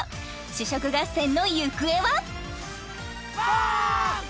試食合戦の行方は？